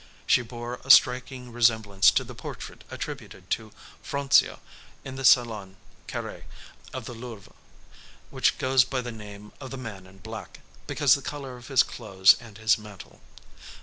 She bore a striking resemblance to the portrait attributed to Froncia in the Salon Carré of the Louvre which goes by the name of the "Man in Black," because the color of his clothes and his mantle.